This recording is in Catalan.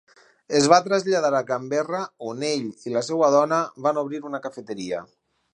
Es va traslladar a Canberra, on ell i la seva dona van obrir una cafeteria.